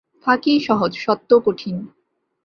ফাঁকিই সহজ, সত্য কঠিন।